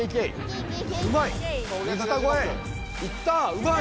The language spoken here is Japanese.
うまい！